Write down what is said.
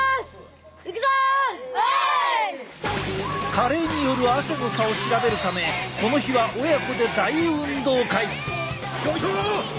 加齢による汗の差を調べるためこの日は親子で大運動会！